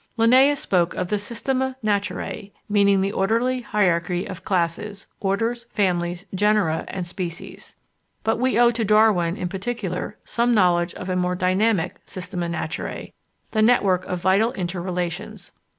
Linnæus spoke of the Systema Naturæ, meaning the orderly hierarchy of classes, orders, families, genera, and species; but we owe to Darwin in particular some knowledge of a more dynamic Systema Naturæ, the network of vital inter relations.